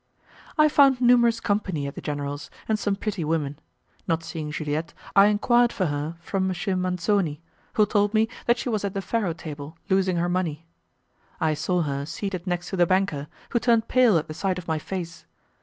I found numerous company at the general's, and some pretty women. Not seeing Juliette, I enquired for her from M. Manzoni, who told me that she was at the faro table, losing her money. I saw her seated next to the banker, who turned pale at the sight of my face.